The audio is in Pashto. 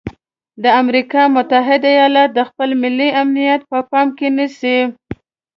د امریکا متحده ایالات د خپل ملي امنیت په پام کې نیسي.